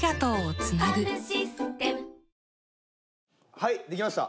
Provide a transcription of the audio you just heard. はいできました。